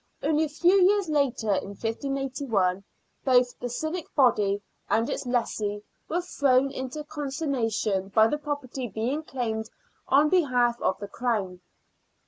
Only a few years later, in 1581, both the civic body and its lessee were thrown into con sternation by the property being claimed on behalf of the Crown.